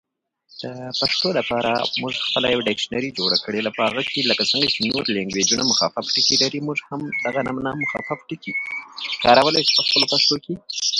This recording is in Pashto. په افغانستان کې د زردالو لپاره طبیعي شرایط مناسب دي.